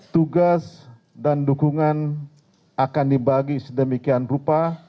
tugas dan dukungan akan dibagi sedemikian rupa